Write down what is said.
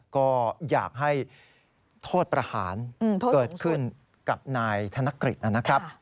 ก็อยากให้โทษประหารเกิดขึ้นกับนายธนกฤษนะครับ